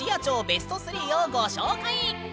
ベスト３をご紹介！